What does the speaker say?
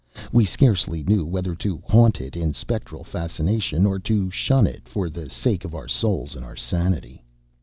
We scarcely knew whether to haunt it in spectral fascination, or to shun it for the sake of our souls and our sanity.